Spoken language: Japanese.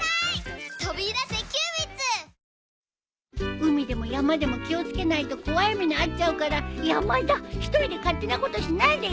海でも山でも気を付けないと怖い目に遭っちゃうから山田１人で勝手なことしないでよ！